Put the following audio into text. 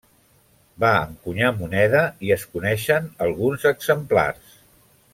Va encunyar moneda i es coneixen alguns exemplars.